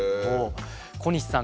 小西さん